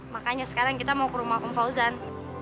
makanya sekarang kita mau ke rumah pemfausan